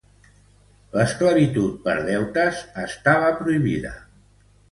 L'esclavitud per deutes estava prohibida.